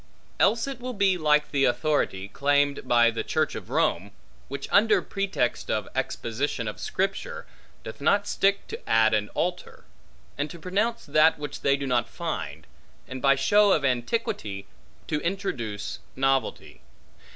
Else will it be like the authority, claimed by the Church of Rome, which under pretext of exposition of Scripture, doth not stick to add and alter; and to pronounce that which they do not find; and by show of antiquity, to introduce novelty.